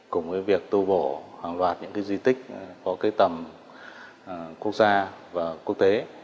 cùng với việc tu bổ hàng loạt những duy tích có cây tầm quốc gia và quốc tế